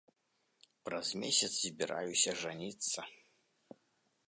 Праз месяц збіраюся жаніцца.